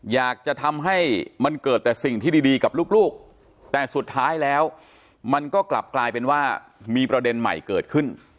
อยากจะทำให้มันเกิดแต่สิ่งที่ดีกับลูกแต่สุดท้ายแล้วมันก็กลับกลายเป็นว่ามีประเด็นใหม่เกิดขึ้น